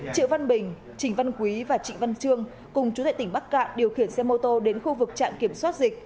triệu văn bình trịnh văn quý và trịnh văn trương cùng chú thệ tỉnh bắc cạn điều khiển xe mô tô đến khu vực trạm kiểm soát dịch